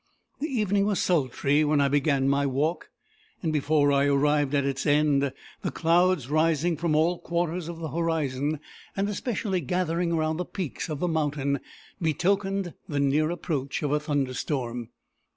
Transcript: The evening was sultry when I began my walk, and before I arrived at its end, the clouds rising from all quarters of the horizon, and especially gathering around the peaks of the mountain, betokened the near approach of a thunderstorm.